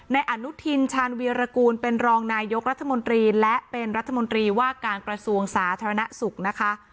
อนุทินชาญวีรกูลเป็นรองนายกรัฐมนตรีและเป็นรัฐมนตรีว่าการกระทรวงสาธารณสุขนะคะ